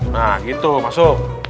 nah gitu masuk